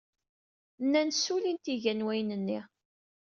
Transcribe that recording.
Nnan ssulin tiga n wayen-nni.